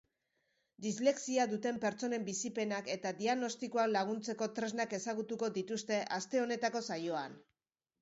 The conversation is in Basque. Dislexia duten pertsonen bizipenak eta diagnostikoak laguntzeko tresnak ezagutuko dituzte aste honetako saioan.